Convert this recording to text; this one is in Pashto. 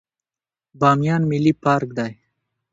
بامیان ملي پارک دی